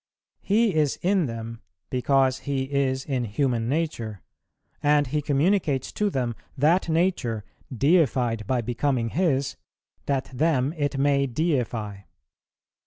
He is in them, because He is in human nature; and He communicates to them that nature, deified by becoming His, that them It may deify.